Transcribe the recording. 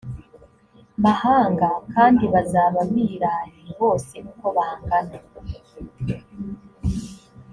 mahanga kandi bazaba biraye bose uko bangana